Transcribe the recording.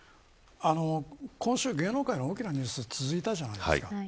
今週、芸能界の大きなニュースが続いたじゃないですか。